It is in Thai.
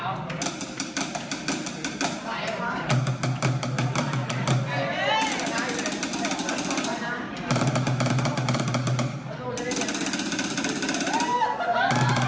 โอ้โฮ